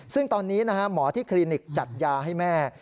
ซึ่งตอนนี้หมอที่คลินิกจัดยาให้แม่